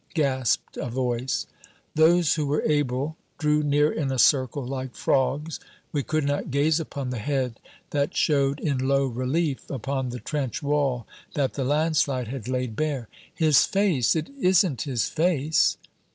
gasped a voice. Those who were able drew near in a circle, like frogs. We could not gaze upon the head that showed in low relief upon the trench wall that the landslide had laid bare. "His face? It isn't his face!"